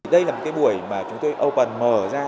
đây là một cái buổi mà chúng tôi open mở ra